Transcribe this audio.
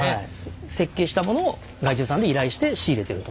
設計したものを外注さんに依頼して仕入れてると。